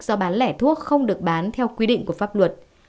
do bán lẻ thuốc không được bán theo quy định của pháp luật